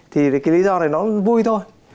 thì cái lý do này nó vui thôi